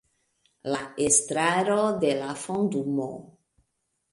La Estraro de la Fondumo.